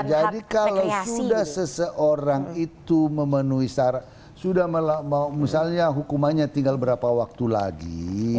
jadi kalau sudah seseorang itu memenuhi sudah misalnya hukumannya tinggal berapa waktu lagi